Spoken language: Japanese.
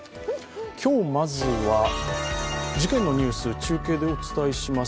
今日まずは、事件のニュース、中継でお伝えします。